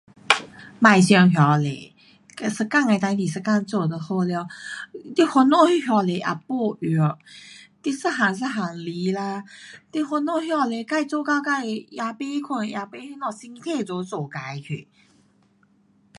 别想那多，um 一天的事情，一天做就好了，um。你烦恼这么多也没用，你一样一样来啦。你烦恼这么多，自做到自也不过也不什么，身体都做坏去。